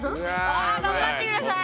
わ頑張ってください。